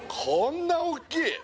こんなおっきい！